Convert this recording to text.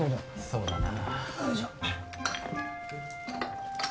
そうだな。